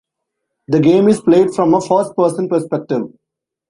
The game is played from a first-person perspective.